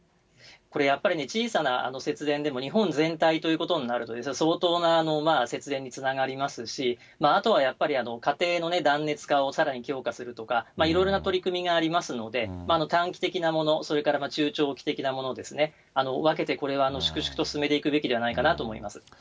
これやっぱりね、小さな節電でも日本全体ということになるとですね、相当な節電につながりますし、あとはやっぱり、家庭の断熱化をさらに強化するとか、いろいろな取り組みがありますので、短期的なもの、それから中長期的なもの、分けて、これは粛々と進めていくべきではないかなと思います。